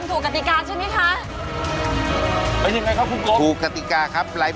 ทำถูกกติกาใช่ไหมคะ